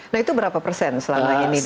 nah itu berapa persen selama ini